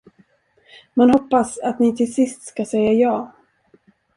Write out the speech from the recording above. Man hoppas, att ni till sist skall säga ja.